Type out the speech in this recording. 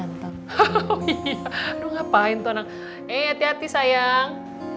ngapain tuh enak eh hati hati sayang